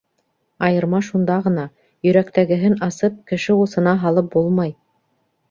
Айырма шунда ғына: йөрәктәгеһен асып кеше усына һалып булмай...